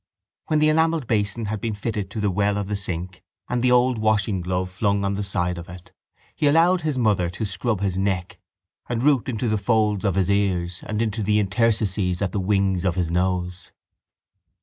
When the enamelled basin had been fitted into the well of the sink and the old washing glove flung on the side of it he allowed his mother to scrub his neck and root into the folds of his ears and into the interstices at the wings of his nose.